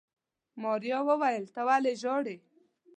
ماريا وويل ته ولې ژاړې.